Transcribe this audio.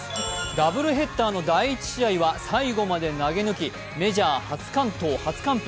ダブルヘッダーの第１試合は最後まで投げ抜き、メジャー初完投初完封。